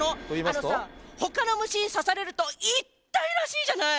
あのさほかの虫に刺されると痛いらしいじゃない？